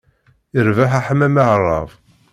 Irbeḥ aḥmam aɛṛab.